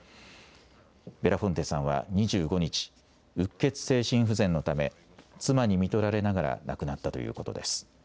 ベラフォンテさんは２５日、うっ血性心不全のため、妻にみとられながら亡くなったということです。